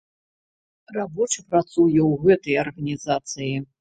Рабочы працуе ў гэтай арганізацыі.